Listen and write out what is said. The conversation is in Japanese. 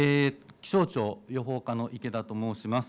気象庁予報課の池田と申します。